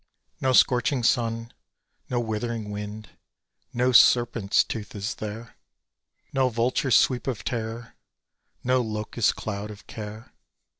No scorching sun, no withering wind, no serpent's tooth is there: No vulture swoop of terror; no locust cloud of care.